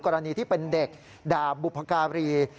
กรณีที่เป็นเด็กด่าบุภกรี